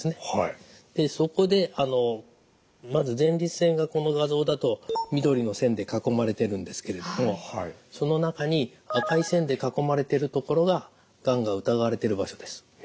そこでまず前立腺がこの画像だと緑の線で囲まれてるんですけれどもその中に赤い線で囲まれてる所ががんが疑われてる場所です。